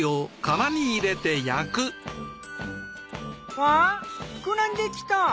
わ膨らんできた。